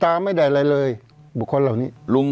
เพราะฉะนั้นประชาธิปไตยเนี่ยคือการยอมรับความเห็นที่แตกต่าง